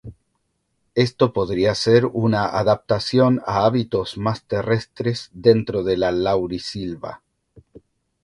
Esto podría ser una adaptación a hábitos más terrestres dentro de la laurisilva.